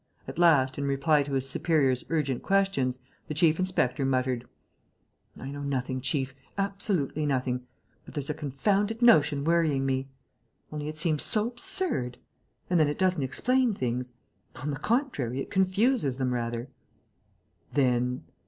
At last, in reply to his superior's urgent questions, the chief inspector muttered: "I know nothing, chief, absolutely nothing; but there's a confounded notion worrying me.... Only it seems so absurd.... And then it doesn't explain things.... On the contrary, it confuses them rather...." "Then